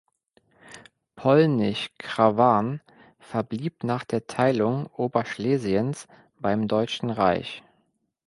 Polnisch Krawarn verblieb nach der Teilung Oberschlesiens beim Deutschen Reich.